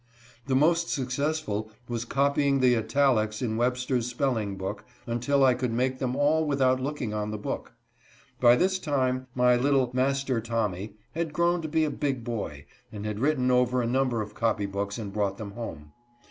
The most suc cessful was copying the italics in Webster's spelling book until I could make them all without looking on the book. By this time my little " Master Tommy" had grown to be a big boy, and had written over a number of copy books and brought them home.